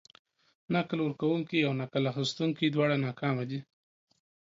نکل ورکونکي او نکل اخيستونکي دواړه ناکامه دي.